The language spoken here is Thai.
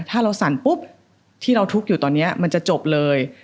ถ้าเราสั่นปุ๊บที่เราทุกข์อยู่ตอนนี้มันจะจบเลย